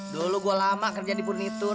dulu gue lama kerja di furnitur